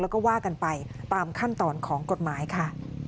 แล้วก็ว่ากันไปตามขั้นตอนของกฎหมายค่ะ